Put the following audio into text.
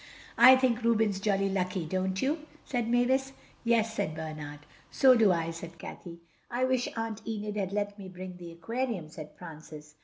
"I think Reuben's jolly lucky, don't you?" said Mavis. "Yes," said Bernard. "So do I," said Cathay. "I wish Aunt Enid had let me bring the aquarium," said Francis.